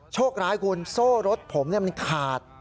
โชคร้ายคุณโซ่รถผมมันขาด